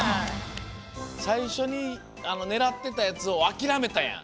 さいしょにねらってたやつをあきらめたやん。